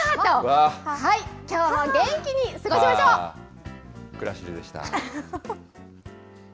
はい、きょうも元気に過ごしましくらしりでした。